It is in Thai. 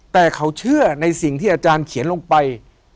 แต่เขาเชื่อในสิ่งที่อาจารย์เขียนลงไป